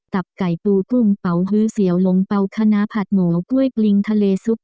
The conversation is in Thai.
ไก่ปูกุ้งเป่าฮื้อเสียวลงเป่าคณะผัดหมูกล้วยกลิงทะเลซุป